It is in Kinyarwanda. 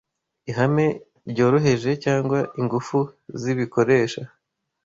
ihame ryoroheje cyangwa ingufu zibikoresha